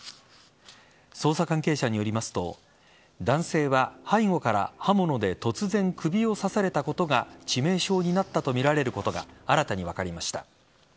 捜査関係者によりますと男性は背後から刃物で突然、首を刺されたことが致命傷になったとみられることが新たに分かりました。